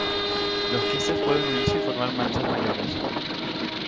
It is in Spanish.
Los quistes pueden unirse y formar manchas mayores.